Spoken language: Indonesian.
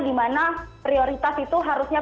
dimana prioritas itu harusnya